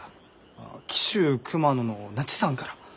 あ紀州熊野の那智山から。